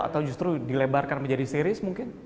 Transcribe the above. atau justru dilebarkan menjadi series mungkin